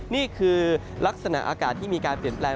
นี่คือลักษณะอากาศที่มีการเปลี่ยนแปลง